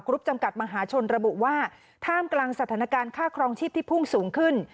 จำกัดมหาชนระบุว่าท่ามกลางสถานการณ์ค่าครองชีพที่พุ่งสูงขึ้น